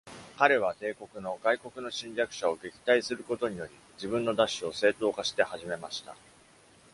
彼は、帝国の外国の侵略者を撃退することにより、自分の奪取を正当化して始めました。